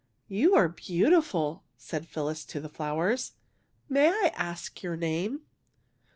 '' You are beautiful," said Phyllis to the flowers. " May I ask your name"?"